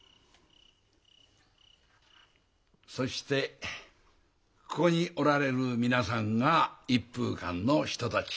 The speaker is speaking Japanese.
そしてここにおられる皆さんが一風館の人たち。